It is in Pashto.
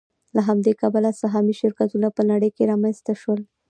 له همدې کبله سهامي شرکتونه په نړۍ کې رامنځته شول